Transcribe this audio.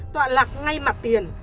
tọa lạc ngay mặt tiền